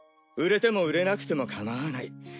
売れても売れなくても構わない。